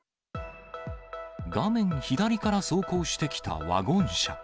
画面左から走行してきたワゴン車。